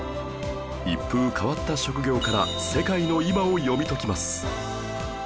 一風変わった職業から世界の今を読み解きます